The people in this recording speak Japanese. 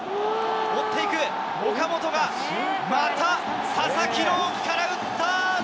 持っていく、岡本がまた佐々木朗希から打った。